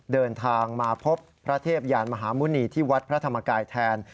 เดินทางมาพบพระเทพยานมหาหมุณีที่วัดพระธรรมกายแทน